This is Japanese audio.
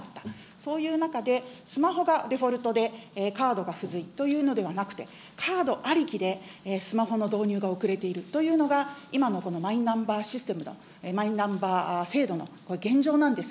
そういう中で、スマホがデフォルトでカードが不随というのではなくて、カードありきでスマホの導入が遅れているというのが、今のこのマイナンバーシステムと、マイナンバー制度のこれ、現状なんです。